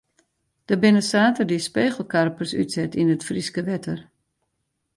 Der binne saterdei spegelkarpers útset yn it Fryske wetter.